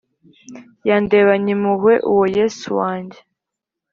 Yandebanye impuhwe uwo yesu wanjye